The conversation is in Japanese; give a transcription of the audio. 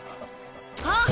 あっ！